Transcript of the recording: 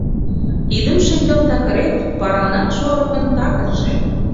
Идым шеҥгел такырет Паранан шорыкын такырже.